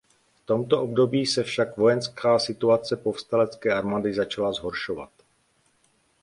V tomto období se však vojenská situace povstalecké armády začala zhoršovat.